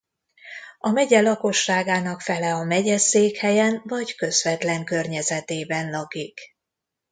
A megye lakosságának fele a megyeszékhelyen vagy közvetlen környezetében lakik.